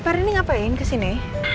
pak rendy ngapain kesini